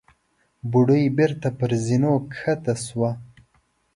بوډۍ بېرته پر زينو کښته شوه.